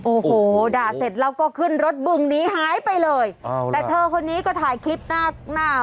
โอ้โหด่าเสร็จแล้วก็ขึ้นรถบึงหนีหายไปเลยแต่เธอคนนี้ก็ถ่ายคลิปหน้าหน้า